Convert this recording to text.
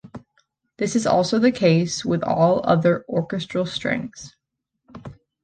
This is also the case with all other orchestral strings.